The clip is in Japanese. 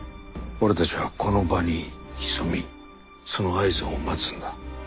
俺たちはこの場に潜みその合図を待つんだ。